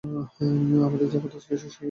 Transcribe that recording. আমাদের যা কথা ছিল শেষ হয়ে গেছে।